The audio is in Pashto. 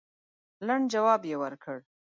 لنډ جواب یې ورکړ.